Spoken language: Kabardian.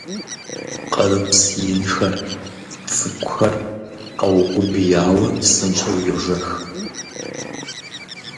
Къырыпс инхэр, цӀыкӀухэр къэукъубияуэ, псынщӀэу йожэх.